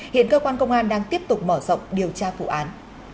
hiện cơ quan công an đang tiếp tục mở rộng điều tra vụ án